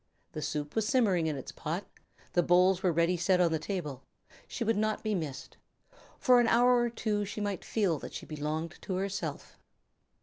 The soup was simmering in its pot, the bowls were ready set on the table. She would not be missed. For an hour or two she might feel that she belonged to herself.